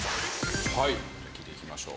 はい聞いていきましょう。